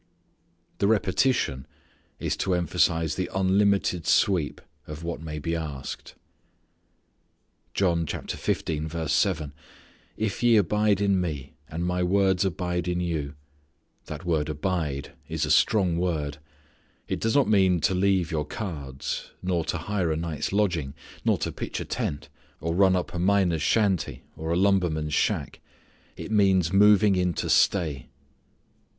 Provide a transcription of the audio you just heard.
The repetition is to emphasize the unlimited sweep of what may be asked. John 15:7: "If ye abide in Me, and My words abide in you " That word abide is a strong word. It does not mean to leave your cards; nor to hire a night's lodging; nor to pitch a tent, or run up a miner's shanty, or a lumberman's shack. It means moving in to stay.